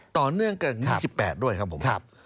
ต่อเนื่องกัน๒๘ด้วยครับผม